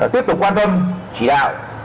tiếp tục quan tâm chỉ đạo